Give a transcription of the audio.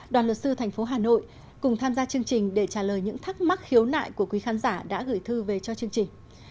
đoàn luật sư thành phố hà nội cùng tham gia chương trình để trả lời những thắc mắc khiếu nại của quý khán giả đã gửi thư về cho chương trình